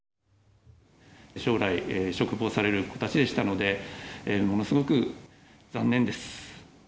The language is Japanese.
将来、嘱望される子たちでしたので、ものすごく残念です。